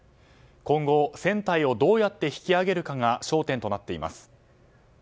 今後、船体をどうやって引き揚げるかが焦点となっています。